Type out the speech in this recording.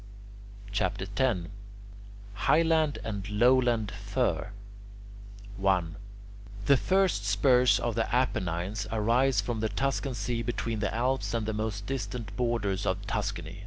CHAPTER X HIGHLAND AND LOWLAND FIR 1. The first spurs of the Apennines arise from the Tuscan sea between the Alps and the most distant borders of Tuscany.